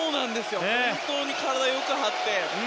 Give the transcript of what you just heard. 本当に体をよく張って。